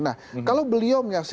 nah kalau beliau yang menang ya